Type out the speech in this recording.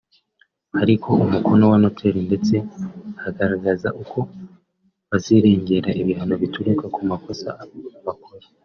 ariho umukono wa Noteri ndetse agaragaza uko bazirengera ibihano bituruka ku makosa bakora